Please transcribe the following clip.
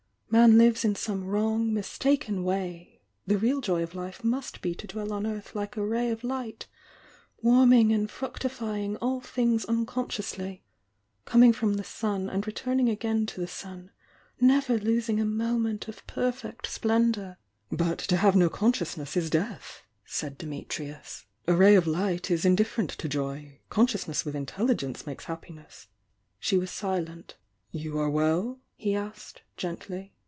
Man lives in some wrong, mistaken way— the real joy of life must be to dwell on earth like a ray of light, warming and fructifying all things unconsciously— commg from the sun and returning again to the sun, never losmg a moment of perfect splendour!" ,,,„.. "But to have no consciousness is death, saia Dimitrius. "A ray of light is indifferent to joy. Consciousness with intelligence makes happi ness." She was silent. "You are well?" he asked, gently.